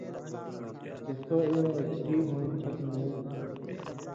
چے سو اېوں اېکٹھی ہوئیں پھت نېریۡ تُھو۔